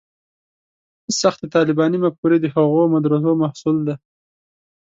سختې طالباني مفکورې د هغو مدرسو محصول دي.